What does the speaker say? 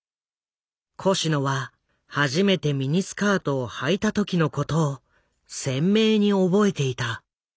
コシノは初めてミニスカートをはいた時のことを鮮明に覚えていた。